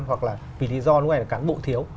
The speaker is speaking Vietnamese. hoặc là vì lý do lúc này là cán bộ thiếu